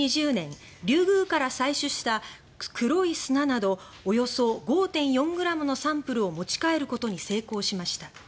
リュウグウから採取した黒い砂などおよそ５．４ｇのサンプルを持ち帰ることに成功しました。